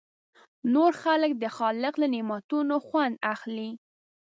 نور خلک د خالق له نعمتونو خوند اخلي.